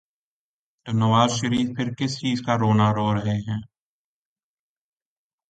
تو نواز شریف پھر کس چیز کا رونا رو رہے ہیں؟